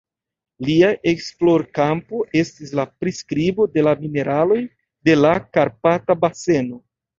Lia esplorkampo estis la priskribo de la mineraloj de la Karpata baseno.